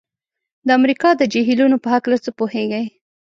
د امریکا د جهیلونو په هلکه څه پوهیږئ؟